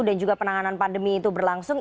dan juga penanganan pandemi itu berlangsung